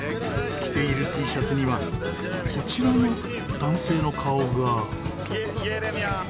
着ているＴシャツにはこちらの男性の顔が。